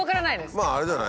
まああれじゃない？